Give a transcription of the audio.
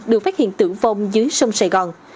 được phát hiện tử vong dưới sông sài gòn